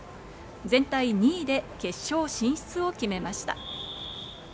全体２位で決勝進出を決めました。